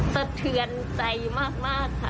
สะเทือนใจมากค่ะ